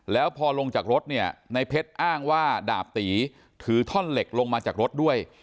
แล้วพอลงจากรถเนี่ยในเพชรอ้างว่าดาบตีถือท่อนเหล็กลงมาจากรถด้วย